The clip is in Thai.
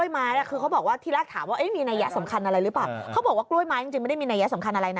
แม่ถ้าดื่มแล้วทายร้อนได้